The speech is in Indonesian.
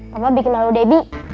papa bikin malu debbie